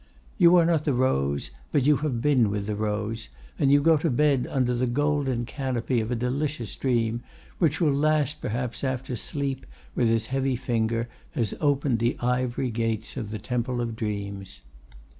"You are not the rose, but you have been with the rose, and you go to bed under the golden canopy of a delicious dream, which will last perhaps after Sleep, with his heavy finger, has opened the ivory gates of the temple of dreams.